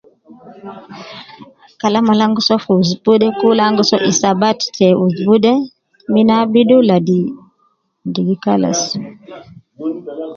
Kalam al an gi soo fi usbu de kul an gi so isabat te usbu de min abidu ladi ,di bi kalas.